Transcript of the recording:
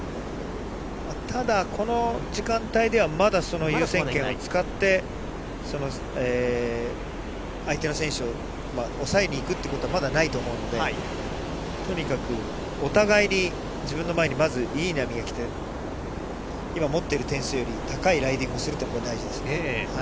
ただこの時間帯ではまだ優先権を使って相手の選手を抑えに行くというのはまだないと思うので、とにかくお互いに自分の前にいい波が来て、今、持っている点数より高いライディングをすることが大事です。